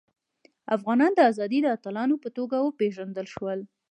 افغانان د ازادۍ د اتلانو په توګه وپيژندل شول.